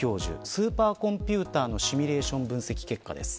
スーパーコンピューターのシミュレーション分析結果です。